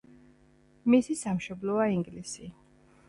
მისი სამშობლოა ინგლისი.